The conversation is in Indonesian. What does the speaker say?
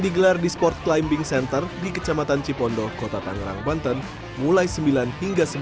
digelar di sport climbing center di kecamatan cipondo kota tangerang banten mulai sembilan hingga sebelas